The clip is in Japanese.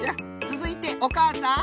つづいておかあさん。